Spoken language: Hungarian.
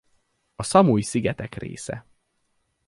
A Szamuj-szigetek része.